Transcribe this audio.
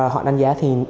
họ đánh giá thì